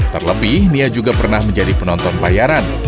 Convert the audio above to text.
terlebih nia juga pernah menjadi penonton bayaran